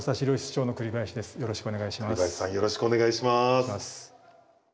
栗林さんよろしくお願いします。